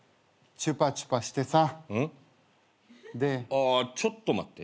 ああちょっと待って。